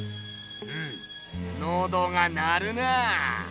うむのどが鳴るなぁ！